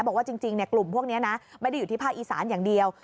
บอกว่าจริงกลุ่มพวกนี้นะไม่ได้อยู่ที่ภาคอีสานอย่างเดียว